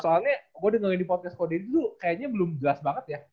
soalnya gue dengerin di podcast ko deddy dulu kayaknya belum jelas banget ya